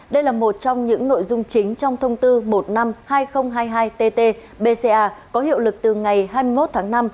đây là một trong những nội dung chính trong thông tư một trăm năm mươi hai nghìn hai mươi hai tt bca có hiệu lực từ ngày hai mươi một tháng năm